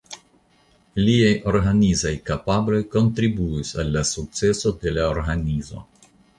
Liaj organizaj kapabloj kontribuis al la sukceso de la organizo.